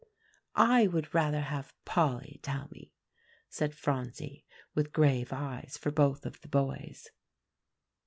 "I would rather have Polly tell me," said Phronsie with grave eyes for both of the boys.